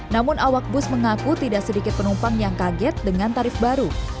namun awak bus mengaku tidak sedikit penumpang yang kaget dengan tarif baru